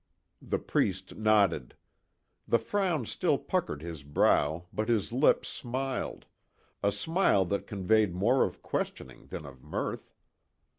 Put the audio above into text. The priest nodded. The frown still puckered his brow but his lips smiled a smile that conveyed more of questioning than of mirth.